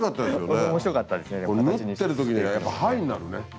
これ縫ってる時にやっぱハイになるね。